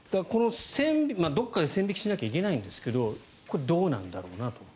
どこかで線引きしないといけないんですがどうなんだろうなと。